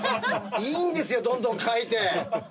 いいんですよどんどん描いて。